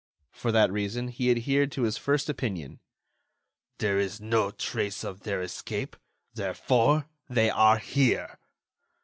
For that reason, he adhered to his first opinion. "There is no trace of their escape; therefore, they are here."